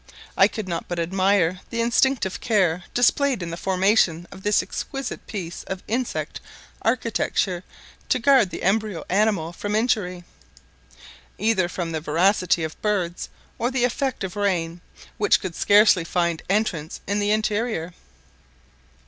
I could not but admire the instinctive care displayed in the formation of this exquisite piece of insect architecture to guard the embryo animal from injury, either from the voracity of birds or the effect of rain, which could scarcely find entrance in the interior.